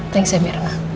thanks ya mirna